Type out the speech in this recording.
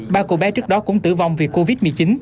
ba cô bé trước đó cũng tử vong vì covid một mươi chín